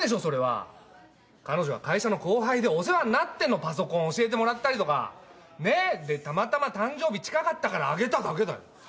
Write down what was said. それは彼女は会社の後輩でお世話になってんのパソコン教えてもらったりとかね？でたまたま誕生日近かったからあげただけだよ